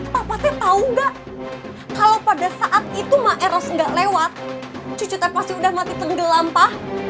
papa teh tau ga kalo pada saat itu maeros ga lewat cucu teh pasti udah mati tenggelam pa